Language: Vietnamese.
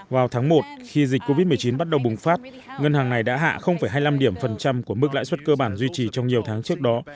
vào tháng một khi dịch covid một mươi chín bắt đầu bùng phát ngân hàng này đã hạ hai mươi năm điểm phần trăm của mức lãi suất cơ bản duy trì trong nhiều tháng trước đó